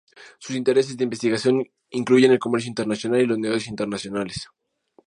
Sus intereses de investigación incluyen el comercio internacional y los negocios internacionales.